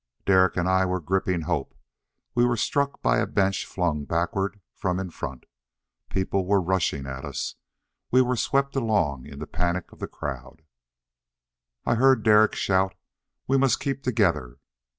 Derek and I were gripping Hope. We were struck by a bench flung backward from in front. People were rushing at us. We were swept along in the panic of the crowd. I heard Derek shout, "We must keep together!"